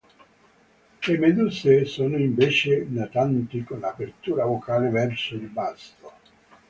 Le "meduse" sono invece natanti, con l'apertura boccale verso il basso.